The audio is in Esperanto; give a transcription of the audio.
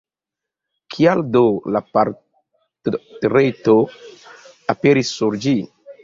Kial do la portreto aperis sur ĝi?